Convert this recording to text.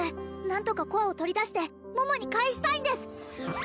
何とかコアを取り出して桃に返したいんです